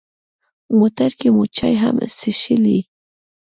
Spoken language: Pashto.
موټر کې مو چای هم څښلې.